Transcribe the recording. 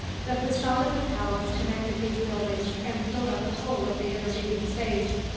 The façade of the palace connected these buildings and filled up the whole of the intervening space.